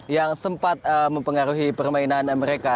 yang sempat mempengaruhi permainan mereka